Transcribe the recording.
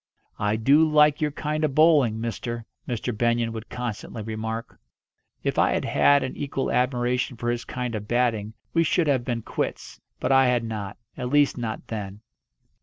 "I do like your kind of bowling, mister," Mr. Benyon would constantly remark. If I had had an equal admiration for his kind of batting we should have been quits, but I had not; at least not then.